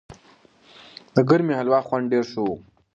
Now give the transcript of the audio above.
د ګرمې هلوا خوند ډېر ښه و.